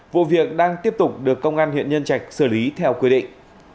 vụ việc đang tiếp tục được công an huyện nhân trạch xử lý theo quy định